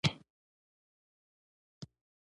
پلار یې په اوښ لرګي راوړي او خرڅوي.